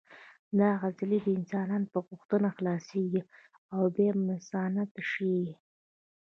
دا عضلې د انسان په غوښتنه خلاصېږي او بیا مثانه تشېږي.